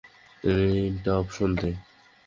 তিনটা অপশন দে!